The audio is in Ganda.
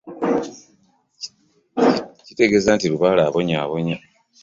Kitegeeza nti lubaale abonyaabonya.